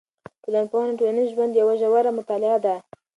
ټولنپوهنه د ټولنیز ژوند یوه ژوره مطالعه ده.